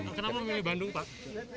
kenapa memilih bandung pak